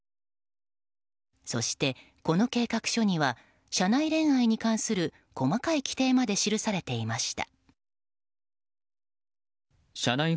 そして、この計画書には社内恋愛に関する細かい規定まで記されていました。